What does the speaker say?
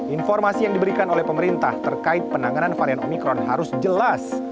informasi yang diberikan oleh pemerintah terkait penanganan varian omikron harus jelas